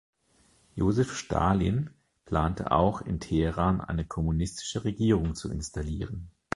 Josef Stalin plante auch, in Teheran eine kommunistische Regierung zu installieren.